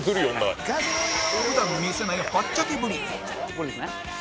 これですね。